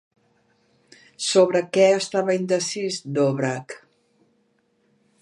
Sobre què estava indecís Dvořák?